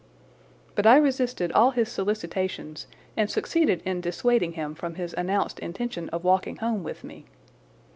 But I resisted all his solicitations and succeeded in dissuading him from his announced intention of walking home with me.